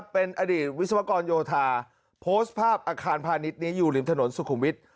เป็นอดีตวิศวกรโยธาโพสต์ภาพอาคารพาณิชย์นี้อยู่ริมถนนสุขุมวิทย์